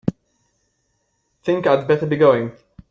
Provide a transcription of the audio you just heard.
Think I'd better be going.